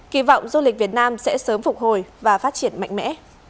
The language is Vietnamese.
kỳ vọng du lịch việt nam sẽ sớm phục hồi và phát triển mạnh mẽ